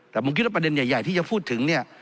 แต่ผมคิดว่าประเด็นใหญ่ที่จะพูดถึงเนี่ย